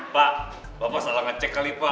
pak bapak salah ngecek kali pak